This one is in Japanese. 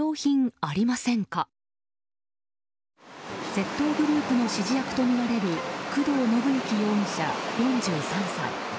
窃盗グループの指示役とみられる工藤伸之容疑者、４３歳。